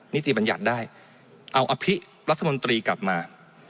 นิติบัญญัติได้เอาอภิรัฐมนตรีกลับมา